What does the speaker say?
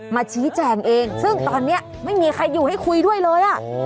มาชี้แจงเองซึ่งตอนนี้ไม่มีใครอยู่ให้คุยด้วยเลย